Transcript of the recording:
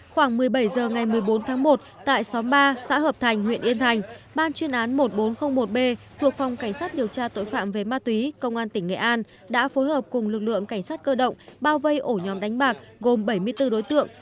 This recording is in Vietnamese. khoảng một mươi bảy h ngày một mươi bốn tháng một tại xóm ba xã hợp thành huyện yên thành ban chuyên án một nghìn bốn trăm linh một b thuộc phòng cảnh sát điều tra tội phạm về ma túy công an tỉnh nghệ an đã phối hợp cùng lực lượng cảnh sát cơ động bao vây ổ nhóm đánh bạc gồm bảy mươi bốn đối tượng